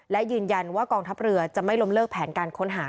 และยืนยันว่ากองทัพเรือจะไม่ล้มเลิกแผนการค้นหา